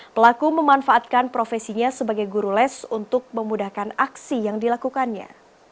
pelaku memanfaatkan profesinya sebagai guru les untuk memudahkan aksi yang dilakukannya